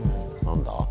何だ？